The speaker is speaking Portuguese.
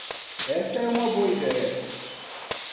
Essa é uma boa ideia.